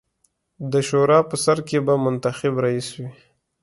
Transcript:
د شورا په سر کې به منتخب رییس وي.